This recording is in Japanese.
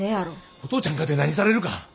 お父ちゃんかて何されるか。